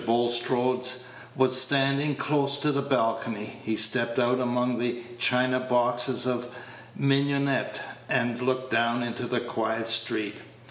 Bulstrode was standing close to the balcony; he stepped out among the china boxes of mignonette, and looked down into the quiet street.